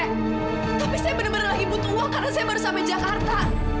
tapi saya benar benar lagi butuh uang karena saya baru sampai jakarta